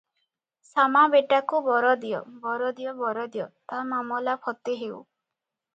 ଶାମା ବେଟାକୁ ବର ଦିଅ - ବର ଦିଅ - ବର ଦିଅ, ତା ମାମଲା ଫତେ ହେଉ ।"